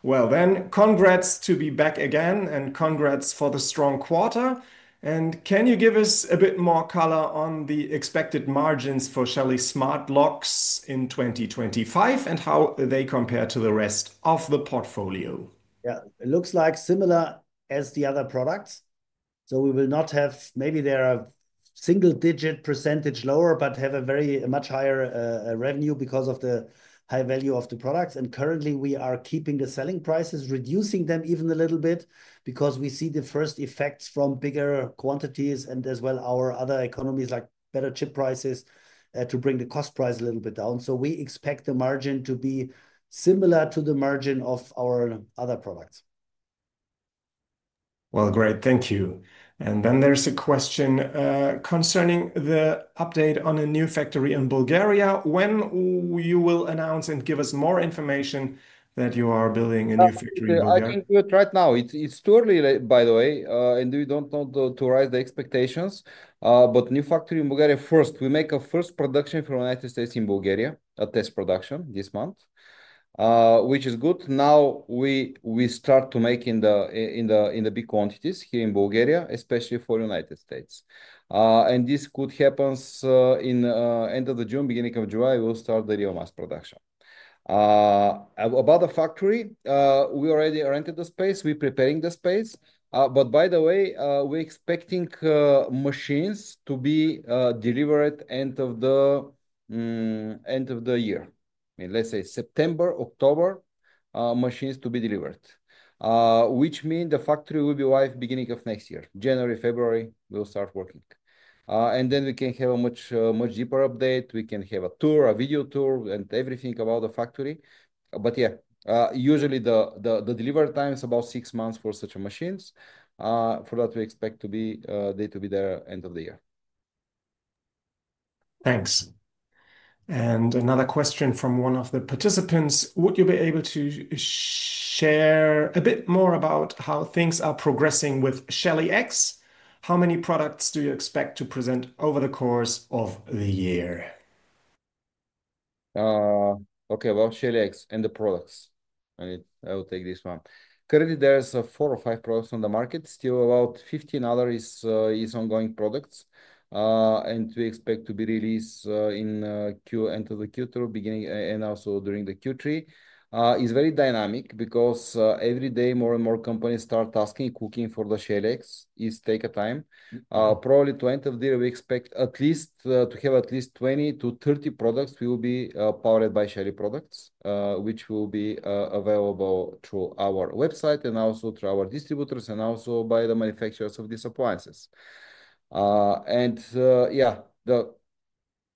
C: Congrats to be back again and congrats for the strong quarter. Can you give us a bit more color on the expected margins for Shelly Smart Lock in 2025 and how they compare to the rest of the portfolio?
A: Yeah, it looks like similar as the other products. We will not have, maybe they are a single-digit percentage lower, but have a very much higher revenue because of the high value of the products. Currently, we are keeping the selling prices, reducing them even a little bit because we see the first effects from bigger quantities and as well our other economies, like better chip prices, to bring the cost price a little bit down. We expect the margin to be similar to the margin of our other products.
C: Thank you. There is a question concerning the update on a new factory in Bulgaria. When you will announce and give us more information that you are building a new factory in Bulgaria?
B: I can do it right now. It is too early, by the way, and we do not want to raise the expectations. The new factory in Bulgaria, first, we make a first production from the United States in Bulgaria, a test production this month, which is good. Now we start to make in big quantities here in Bulgaria, especially for the United States. This could happen at the end of June, beginning of July. We'll start the real mass production. About the factory, we already rented the space. We're preparing the space. By the way, we're expecting machines to be delivered at the end of the year. Let's say September, October, machines to be delivered, which means the factory will be live beginning of next year. January, February, we'll start working. Then we can have a much deeper update. We can have a tour, a video tour, and everything about the factory. Usually the delivery time is about six months for such machines. For that, we expect to be there at the end of the year.
C: Thanks. Another question from one of the participants. Would you be able to share a bit more about how things are progressing with Shelly X? How many products do you expect to present over the course of the year?
B: Okay, Shelly X and the products. I will take this one. Currently, there are four or five products on the market. Still about 15 is ongoing products. We expect to be released in Q2, beginning and also during Q3. It is very dynamic because every day, more and more companies start asking, looking for the Shelly X. It takes time. Probably to end of the year, we expect at least to have at least 20-30 products will be powered by Shelly products, which will be available through our website and also through our distributors and also by the manufacturers of these appliances. Yeah,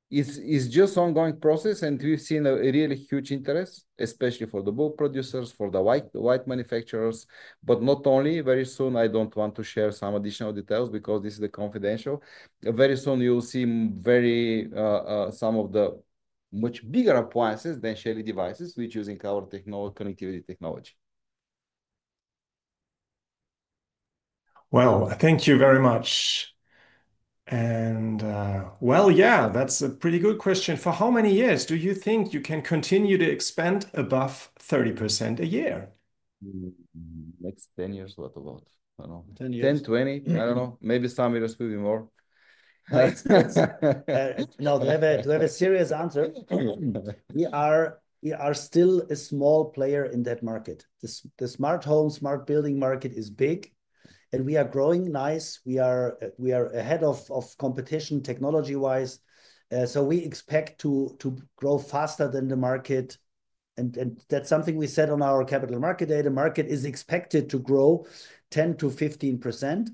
B: it's just an ongoing process. We've seen a really huge interest, especially for the bulk producers, for the white manufacturers, but not only. Very soon, I don't want to share some additional details because this is confidential. Very soon, you'll see some of the much bigger appliances than Shelly devices, which are using our connectivity technology.
C: Thank you very much. Yeah, that's a pretty good question. For how many years do you think you can continue to expand above 30% a year?
B: Next 10 years, what about? 10 years. 10, 20, I don't know. Maybe some years will be more.
A: No, do I have a serious answer? We are still a small player in that market. The smart home, smart building market is big, and we are growing nice. We are ahead of competition technology-wise. We expect to grow faster than the market. That is something we said on our capital market data. The market is expected to grow 10%-15%.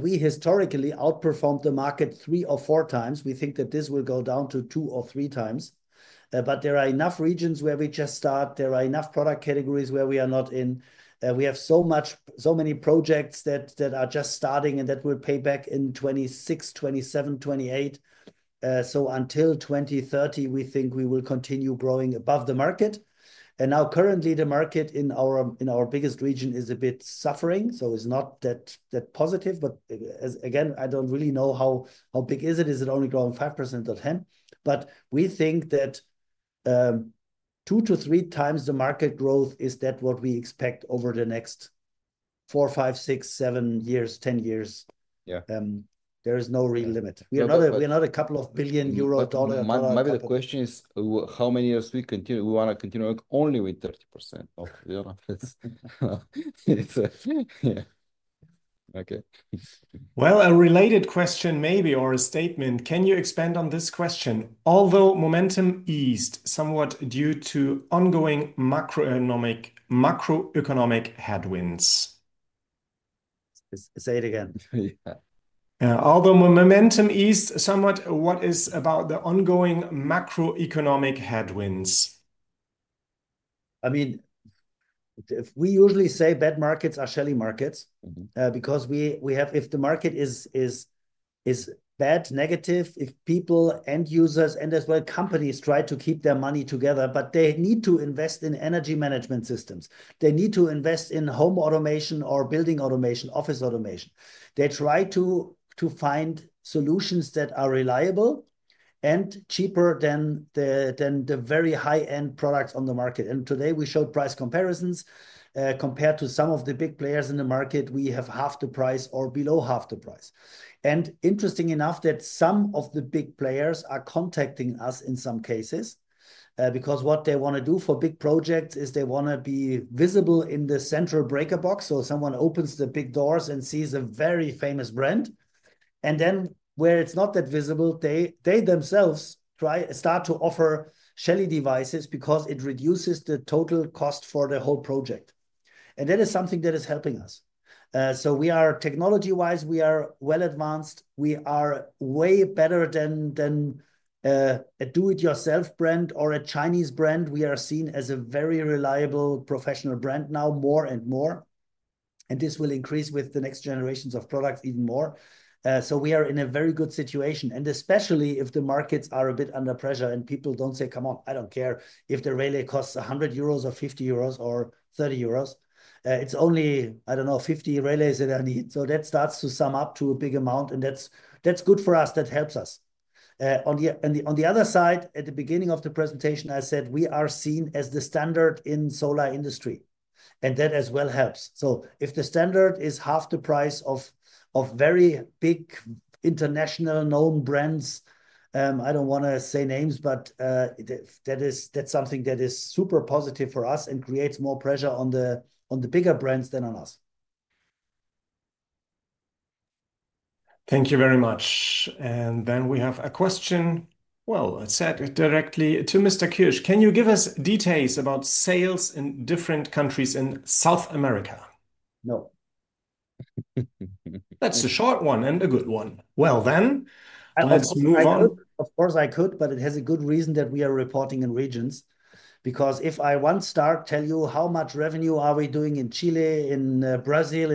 A: We historically outperformed the market three or four times. We think that this will go down to two or three times. There are enough regions where we just start. There are enough product categories where we are not in. We have so many projects that are just starting and that will pay back in 2026, 2027, 2028. Until 2030, we think we will continue growing above the market. Currently, the market in our biggest region is a bit suffering. It's not that positive. Again, I don't really know how big it is. Is it only growing 5% or 10%? We think that 2x-3x the market growth is what we expect over the next four, five, six, seven years, 10 years. There is no real limit. We are not a couple of billion EUR or USD market.
B: My question is, how many years do we continue? We want to continue only with 30% of the office.
C: A related question maybe or a statement. Can you expand on this question? Although momentum eased somewhat due to ongoing macroeconomic headwinds.
A: Say it again.
B: Yeah.
C: Although momentum eased somewhat, what is about the ongoing macroeconomic headwinds?
A: I mean, we usually say bad markets are Shelly markets because if the market is bad, negative, if people and users and as well companies try to keep their money together, but they need to invest in energy management systems. They need to invest in home automation or building automation, office automation. They try to find solutions that are reliable and cheaper than the very high-end products on the market. Today, we showed price comparisons compared to some of the big players in the market. We have half the price or below half the price. Interesting enough that some of the big players are contacting us in some cases because what they want to do for big projects is they want to be visible in the central breaker box. Someone opens the big doors and sees a very famous brand. Where it is not that visible, they themselves try to start to offer Shelly devices because it reduces the total cost for the whole project. That is something that is helping us. Technology-wise, we are well advanced. We are way better than a do-it-yourself brand or a Chinese brand. We are seen as a very reliable professional brand now more and more. This will increase with the next generations of products even more. We are in a very good situation. Especially if the markets are a bit under pressure and people do not say, "Come on, I do not care if the relay costs 100 euros or 50 euros or 30 euros. It is only, I do not know, 50 relays that I need." That starts to sum up to a big amount. That is good for us. That helps us. On the other side, at the beginning of the presentation, I said we are seen as the standard in solar industry. That as well helps. If the standard is half the price of very big international known brands, I do not want to say names, but that is something that is super positive for us and creates more pressure on the bigger brands than on us.
C: Thank you very much. We have a question. I said it directly to Mr. Kirsch. Can you give us details about sales in different countries in South America?
B: No.
C: That is a short one and a good one. Let us move on.
A: Of course, I could, but it has a good reason that we are reporting in regions. Because if I once start telling you how much revenue are we doing in Chile, in Brazil,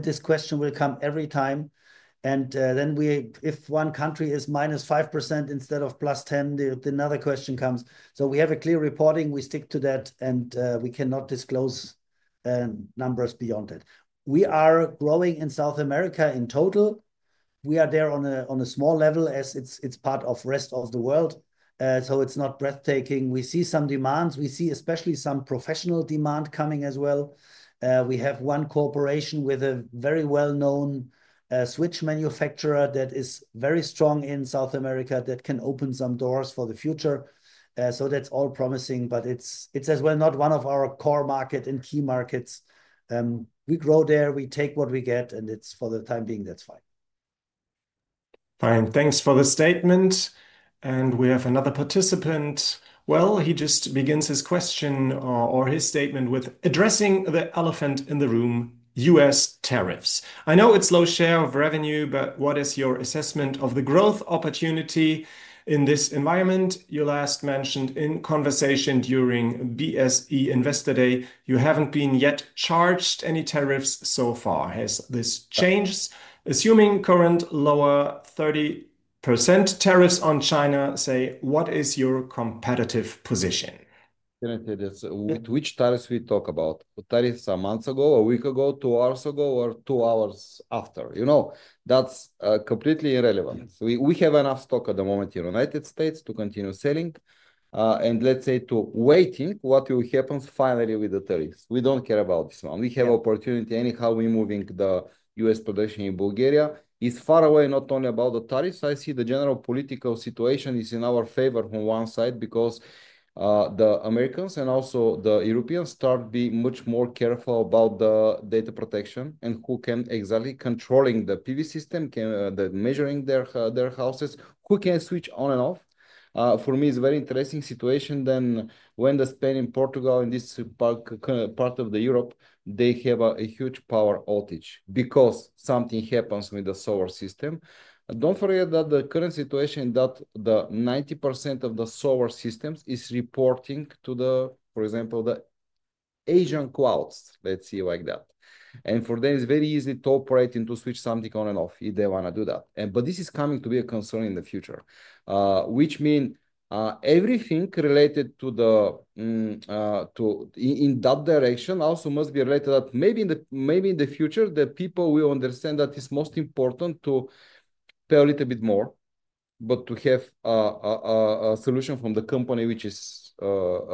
A: this question will come every time. If one country is -5% instead of +10%, another question comes. We have a clear reporting. We stick to that, and we cannot disclose numbers beyond that. We are growing in South America in total. We are there on a small level as it is part of the rest of the world. It is not breathtaking. We see some demands. We see especially some professional demand coming as well. We have one corporation with a very well-known switch manufacturer that is very strong in South America that can open some doors for the future. That is all promising, but it is also not one of our core markets and key markets. We grow there. We take what we get, and for the time being, that's fine.
C: Fine. Thanks for the statement. We have another participant. He just begins his question or his statement with addressing the elephant in the room, U.S. tariffs. I know it's low share of revenue, but what is your assessment of the growth opportunity in this environment? You last mentioned in conversation during BSE Investor Day, you haven't been yet charged any tariffs so far. Has this changed? Assuming current lower 30% tariffs on China, say, what is your competitive position?
B: Can I say this? With which tariffs we talk about? The tariffs a month ago, a week ago, two hours ago, or two hours after? That's completely irrelevant. We have enough stock at the moment in the United States to continue selling. Let's say to waiting what will happen finally with the tariffs. We don't care about this one. We have opportunity anyhow. We're moving the U.S. production in Bulgaria. It's far away, not only about the tariffs. I see the general political situation is in our favor on one side because the Americans and also the Europeans start being much more careful about the data protection and who can exactly control the PV system, measuring their houses, who can switch on and off. For me, it's a very interesting situation than when the Spain and Portugal in this part of Europe, they have a huge power outage because something happens with the solar system. Don't forget that the current situation that 90% of the solar systems is reporting to the, for example, the Asian clouds, let's see like that. And for them, it's very easy to operate and to switch something on and off if they want to do that. This is coming to be a concern in the future, which means everything related to the in that direction also must be related that maybe in the future, the people will understand that it's most important to pay a little bit more, but to have a solution from the company, which is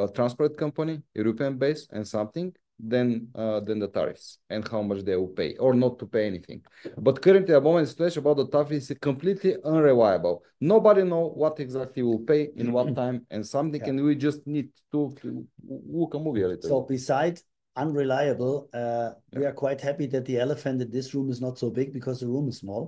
B: a transport company, European-based and something, than the tariffs and how much they will pay or not to pay anything. Currently, at the moment, the situation about the tariff is completely unreliable. Nobody knows what exactly we'll pay in what time and something, and we just need to work a movie a little.
A: Besides unreliable, we are quite happy that the elephant in this room is not so big because the room is small.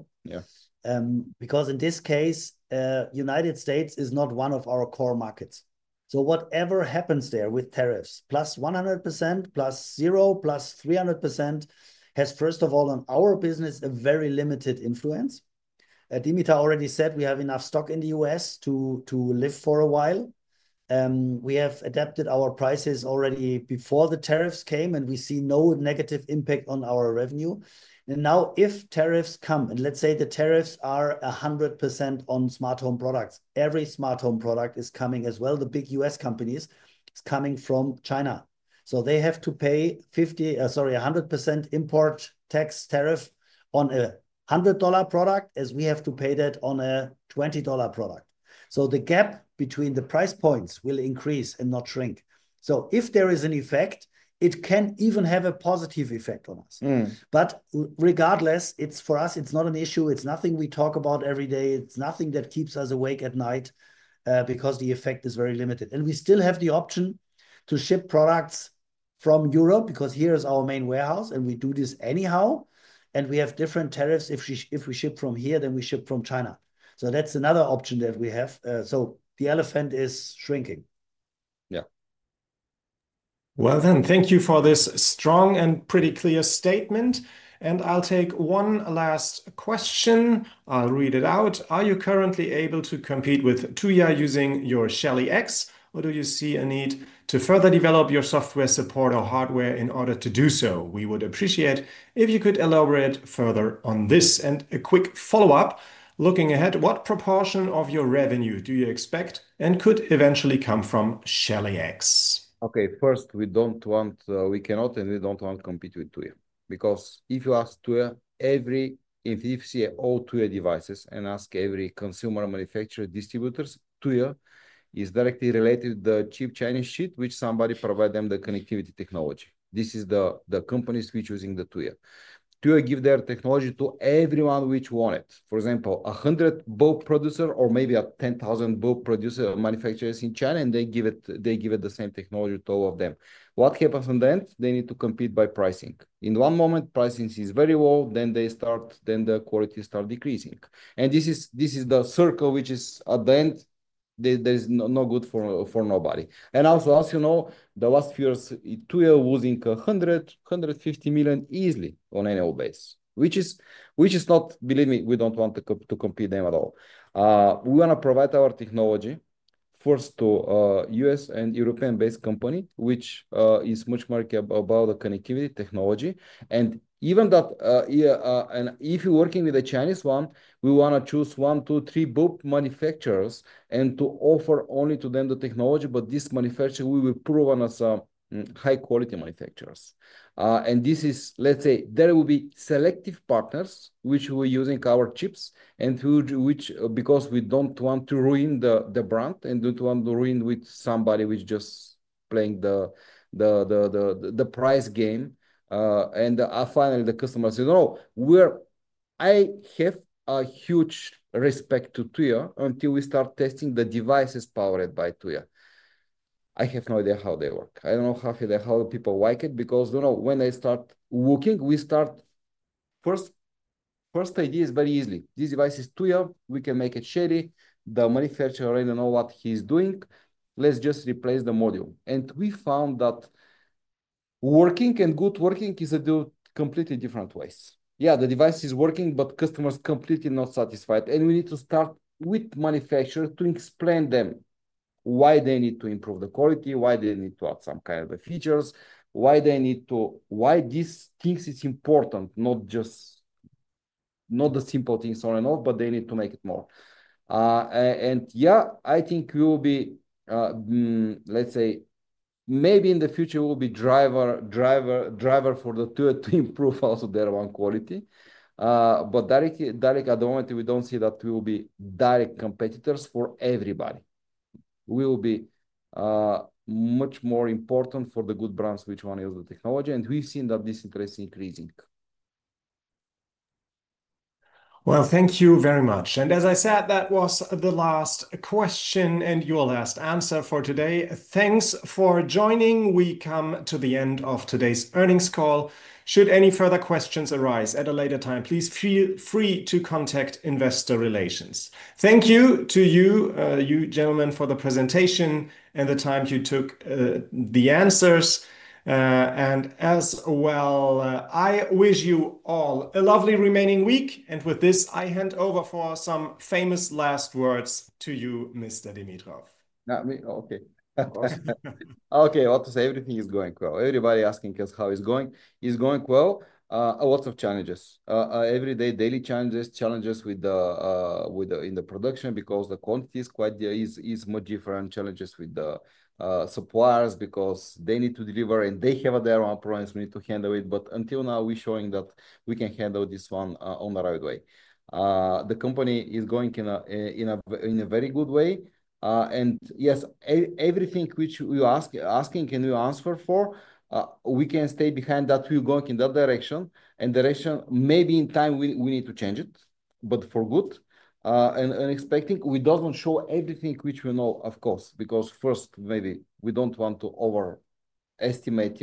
B: Yeah.
A: Because in this case, the United States is not one of our core markets. Whatever happens there with tariffs, plus 100%, plus zero, plus 300%, has, first of all, on our business, a very limited influence. Dimitar already said we have enough stock in the U.S. to live for a while. We have adapted our prices already before the tariffs came, and we see no negative impact on our revenue. Now, if tariffs come, and let's say the tariffs are 100% on smart home products, every smart home product is coming as well. The big U.S. companies are coming from China. They have to pay 50%, sorry, 100% import tax tariff on a $100 product, as we have to pay that on a $20 product. The gap between the price points will increase and not shrink. If there is an effect, it can even have a positive effect on us. Regardless, for us, it's not an issue. It's nothing we talk about every day. It's nothing that keeps us awake at night because the effect is very limited. We still have the option to ship products from Europe because here is our main warehouse, and we do this anyhow. We have different tariffs. If we ship from here, then we ship from China. That's another option that we have. The elephant is shrinking.
C: Thank you for this strong and pretty clear statement. I'll take one last question. I'll read it out. Are you currently able to compete with Tuya using your Shelly X, or do you see a need to further develop your software support or hardware in order to do so? We would appreciate it if you could elaborate further on this. A quick follow-up. Looking ahead, what proportion of your revenue do you expect and could eventually come from Shelly X?
B: Okay, first, we don't want, we cannot, and we don't want to compete with Tuya because if you ask Tuya, every, if you see all Tuya devices and ask every consumer manufacturer, distributors, Tuya is directly related to the cheap Chinese sheet which somebody provides them the connectivity technology. This is the companies which are using the Tuya. Tuya gives their technology to everyone which want it. For example, a hundred bulk producers or maybe a 10,000 bulk producer manufacturers in China, and they give it the same technology to all of them. What happens on the end? They need to compete by pricing. In one moment, pricing is very low. Then the quality starts decreasing. This is the circle which is at the end. There is no good for nobody. Also, as you know, the last few years, Tuya was losing $100 million-$150 million easily on annual basis, which is not, believe me, we do not want to compete them at all. We want to provide our technology first to a U.S. and European-based company, which is much more above the connectivity technology. Even that, if you are working with a Chinese one, we want to choose one, two, three bulk manufacturers and to offer only to them the technology. This manufacturer, we will prove as high-quality manufacturers. This is, let's say, there will be selective partners which are using our chips, and which, because we do not want to ruin the brand and do not want to ruin with somebody which is just playing the price game. Finally, the customers say, "No, I have a huge respect for Tuya until we start testing the devices powered by Tuya." I have no idea how they work. I do not know how people like it because when they start working, we start, first idea is very easy. This device is Tuya. We can make it Shelly. The manufacturer already knows what he is doing. Let's just replace the module. We found that working and good working is a completely different way. Yeah, the device is working, but customers are completely not satisfied. We need to start with manufacturers to explain to them why they need to improve the quality, why they need to add some kind of features, why they need to, why these things are important, not just the simple things on and off, but they need to make it more. Yeah, I think we will be, let's say, maybe in the future, we will be a driver for Tuya to improve also their own quality. Directly, at the moment, we don't see that we will be direct competitors for everybody. We will be much more important for the good brands which one is the technology. We've seen that this trend is increasing.
C: Thank you very much. As I said, that was the last question and your last answer for today. Thanks for joining. We come to the end of today's earnings call. Should any further questions arise at a later time, please feel free to contact Investor Relations. Thank you to you, gentlemen, for the presentation and the time you took for the answers. I wish you all a lovely remaining week. With this, I hand over for some famous last words to you, Mr. Dimitrov.
B: Okay. I have to say everything is going well. Everybody asking us how it's going is going well. Lots of challenges. Everyday, daily challenges, challenges in the production because the quantity is quite much different. Challenges with the suppliers because they need to deliver and they have their own problems, we need to handle it. Until now, we're showing that we can handle this one in the right way. The company is going in a very good way. Yes, everything which we're asking and we answer for, we can stay behind that we're going in that direction. The direction, maybe in time, we need to change it, but for good. We do not show everything which we know, of course, because first, maybe we do not want to overestimate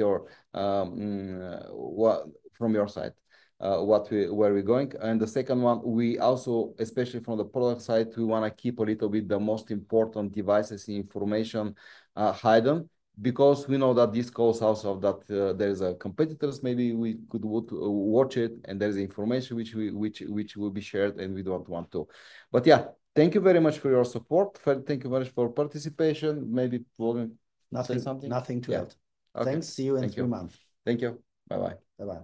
B: from your side where we are going. The second one, especially from the product side, we want to keep a little bit of the most important devices information hidden because we know that this call also means that there are competitors who could watch it, and there is information which will be shared and we do not want to. Thank you very much for your support. Thank you very much for your participation. Maybe Wolfgang?
A: Nothing to add. Thanks. See you in a few months.
B: Thank you. Bye-bye.
A: Bye-bye.